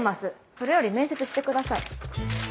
それより面接してください。